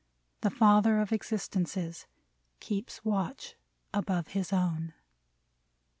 The Father of existences Keeps watch above his own.